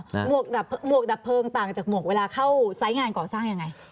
หมวกดับหมวกดับเพลิงต่างจากหมวกเวลาเข้าไซส์งานก่อสร้างยังไง